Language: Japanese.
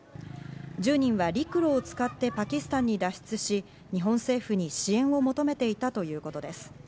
１０人は陸路を使ってパキスタンに脱出し、日本政府に支援を求めていたということです。